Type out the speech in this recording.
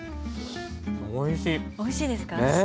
おいしいですかね。